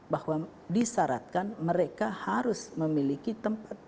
bahwa disaratkan mereka harus memiliki tempat sampah